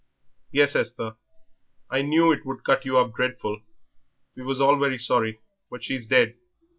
"Yes Esther. I knew it would cut you up dreadful; we was all very sorry, but she's dead.